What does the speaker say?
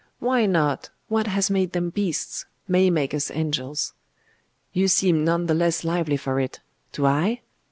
'Why not? What has made them beasts, may make us angels. You seem none the less lively for it! Do I?